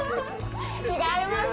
違いますよ。